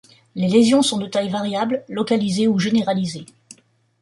Les lésions sont de taille variable, localisées ou généralisées.